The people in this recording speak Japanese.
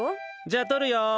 じゃあ撮るよ。